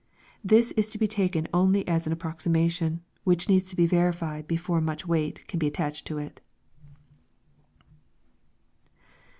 This is to be taken only as an ap proximatiiui, which needs to be verified before nnich weight can be attaclunl io it.